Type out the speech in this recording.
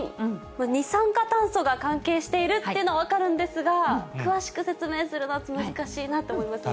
二酸化炭素が関係しているっていうのは分かるんですが、詳しく説明するのは難しいなと思いますね。